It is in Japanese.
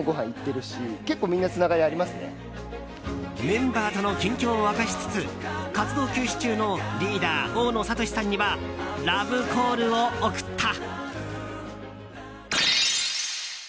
メンバーとの近況を明かしつつ活動休止中のリーダー・大野智さんにはラブコールを送った。